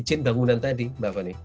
izin bangunan tadi mbak fani